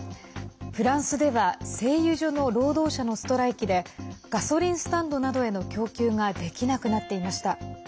フランスでは製油所の労働者のストライキでガソリンスタンドなどへの供給ができなくなっていました。